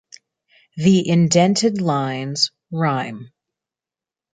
The indented lines rhyme.